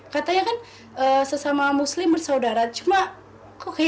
katanya kan sesama muslim bersaudara cuma kok kayaknya